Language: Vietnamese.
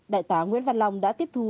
đại tá nguyễn văn long đã tiếp thu